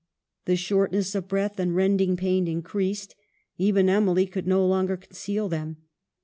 The shortness of breath and rending pain increased ; even Emily could no longer conceal them.